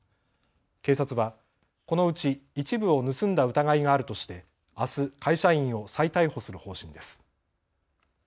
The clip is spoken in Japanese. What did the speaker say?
警察はこのうち一部を盗んだ疑いがあるとして、あす会社員を再逮捕する方針です。